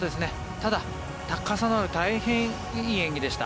ただ、高さのある大変いい演技でした。